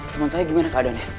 teman saya gimana keadaannya